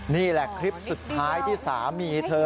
นี่แหละคลิปสุดท้ายที่สามีเธอ